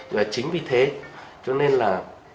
và chính vì thế cho nên là